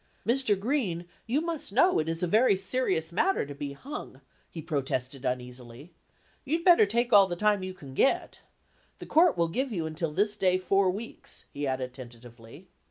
"Mr. Green, you must know it is a very serious matter to be hung," he protested uneasily. 'You 'd better take all the time you can get. The Court will give you until this day four weeks," he added tentatively.